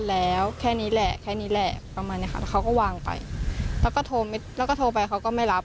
แล้วเขาก็วางไปแล้วก็โทรไม่แล้วก็โทรไปเขาก็ไม่รับ